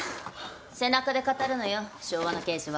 背中で語るのよ昭和の刑事は。